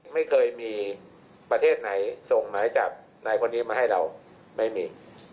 ไม่เคยมีประเทศไหนส่งหมายจับนายคนนี้มาให้เราไม่มี